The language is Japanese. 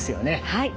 はい。